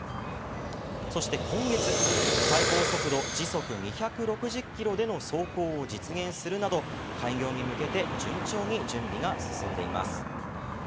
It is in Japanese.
そして今月、最高速度時速２６０キロでの走行を実現するなど開業に向けて順調に準備が進んでいます。